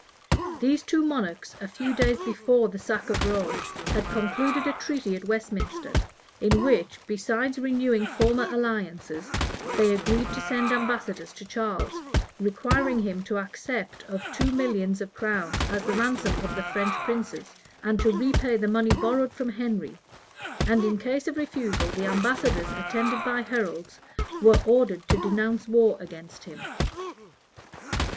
These two monarchs, a few days before the sack of Rome, had concluded a treaty[*] at Westminster, in which, besides renewing former alliances, they agreed to send ambassadors to Charles, requiring him to accept of two millions of crowns as the ransom of the French princes, and to repay the money borrowed from Henry; and in case of refusal, the ambassadors, attended by heralds, were ordered to denounce war against him.